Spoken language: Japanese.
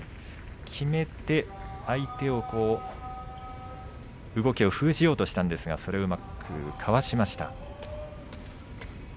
きめて相手の動きを封じようとしたんですがそれをうまくかわしました。